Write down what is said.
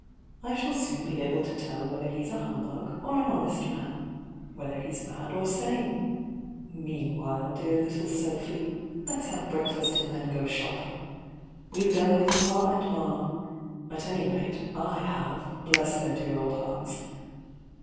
I shall soon be able to tell whether he's a humbug or an honest man, — whether he's marl or sane — meanwhile, dear little Sophy, let's have breakfast and then go shopping. We've done with Pa and Ma — at any rate / have, bless their dear old hearts!